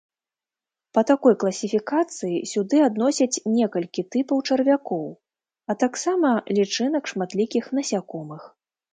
Па такой класіфікацыі сюды адносяць некалькі тыпаў чарвякоў, а таксама лічынак шматлікіх насякомых.